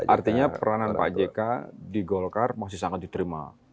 artinya peranan pak jk di golkar masih sangat diterima